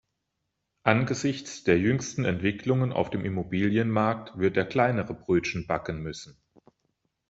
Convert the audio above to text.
Angesichts der jüngsten Entwicklungen auf dem Immobilienmarkt wird er kleinere Brötchen backen müssen.